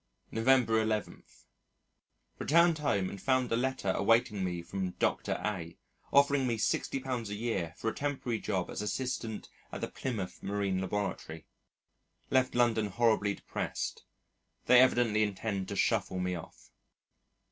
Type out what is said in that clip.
November 11. Returned home and found a letter awaiting me from Dr. A offering me £60 a year for a temporary job as assistant at the Plymouth Marine Laboratory. Left London horribly depressed. They evidently intend to shuffle me off.